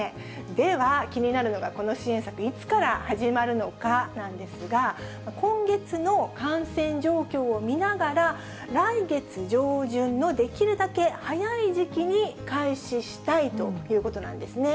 では、気になるのが、この支援策、いつから始まるのかなんですが、今月の感染状況を見ながら、来月上旬のできるだけ早い時期に開始したいということなんですね。